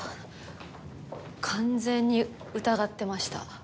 完全に疑ってました。